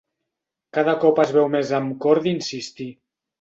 Cada cop es veu més amb cor d'insistir.